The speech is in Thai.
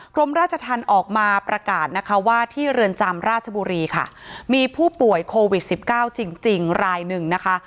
กรมราชธรรมออกมาประกาศนะคะว่าที่เรือนจำราชบุรีค่ะมีผู้ป่วยโควิด๑๙จริงรายหนึ่งนะคะ